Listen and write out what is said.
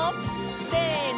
せの！